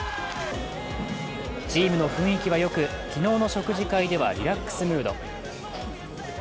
チームの雰囲気はよく昨日の食事会ではリラックスムード。